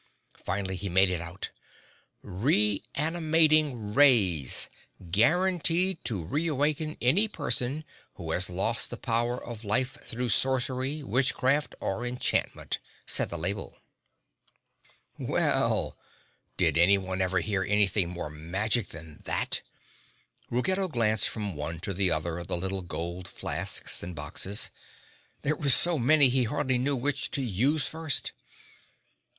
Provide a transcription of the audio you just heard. Finally he made it out: "Re animating Rays, guaranteed to reawaken any person who has lost the power of life through sorcery, witchcraft or enchantment," said the label. [Illustration: (unlabelled)] Well, did anyone ever hear anything more magic than that? Ruggedo glanced from one to the other of the little gold flasks and boxes. There were so many he hardly knew which to use first.